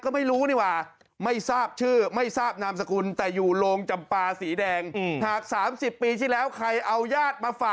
ไม่รู้จะมาแจ้งไงก็ไม่รู้นี่ว่า